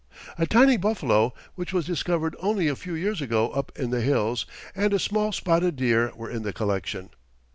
A tiny buffalo, which was discovered only a few years ago up in the hills, and a small spotted deer were in the collection.